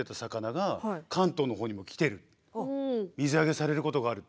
水揚げされることがある。